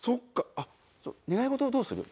あっ願い事はどうする？